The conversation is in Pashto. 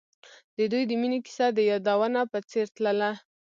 د دوی د مینې کیسه د یادونه په څېر تلله.